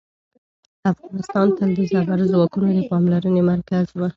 افغانستان تل د زبرځواکونو د پاملرنې مرکز و.